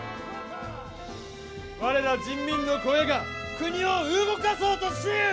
我ら人民の声が国を動かそうとしゆう！